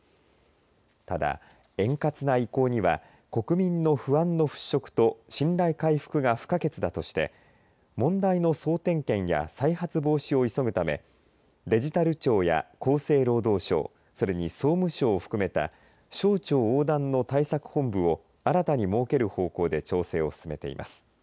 ただ円滑な移行には国民の不安の払拭と信頼回復が不可欠だとして問題の総点検や再発防止を急ぐためデジタル庁や厚生労働省それに総務省を含めた省庁横断の対策本部を新たに設ける方向で調整を進めています。